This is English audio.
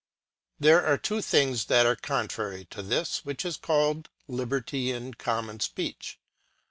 There are two things that are contrary to this, which is called liberty in common speech.